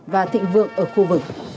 và thịnh vượng ở khu vực